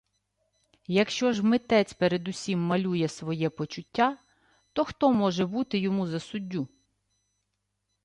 Якщо ж митець передусім малює своє почуття, то хто може бути йому за суддю?